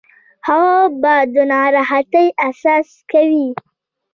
هغه به د ناراحتۍ احساس کوي.